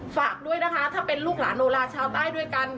ฝากด้วยนะคะถ้าเป็นลูกหลานโนลาชาวใต้ด้วยกัน